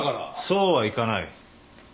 そうはいかない。